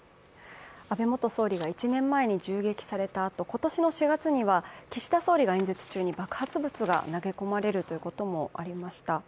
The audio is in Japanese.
安倍元総理が１年前に銃撃されたあと今年４月には岸田総理が演説中に爆発物が投げ込まれるということもありました。